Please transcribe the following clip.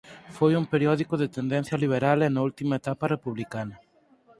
Foi un periódico de tendencia liberal e na última etapa republicana.